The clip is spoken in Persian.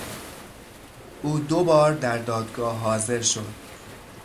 او دوبار در دادگاه حاضر شد.